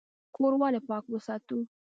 کور ولې پاک وساتو؟